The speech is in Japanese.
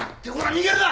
逃げるな！